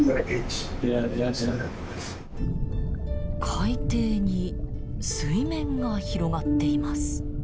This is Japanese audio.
海底に水面が広がっています。